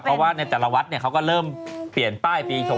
เพราะว่าในแต่ละวัดเขาก็เริ่มเปลี่ยนป้ายปีชง